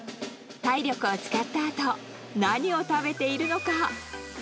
体力を使ったあと、何を食べているのか。